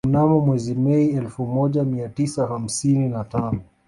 Mnamo mwezi Mei elfu moja mia tisa hamsini na tano